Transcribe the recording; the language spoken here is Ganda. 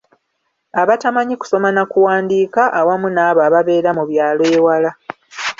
Abatamanyi kusoma na kuwandiika awamu n'abo ababeera mu byalo ewala.